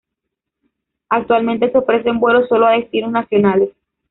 Actualmente se ofrecen vuelos sólo a destinos nacionales.